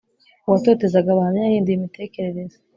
Uwatotezaga Abahamya yahinduye imitekerereze